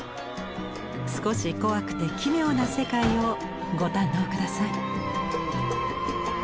少し怖くて奇妙な世界をご堪能下さい。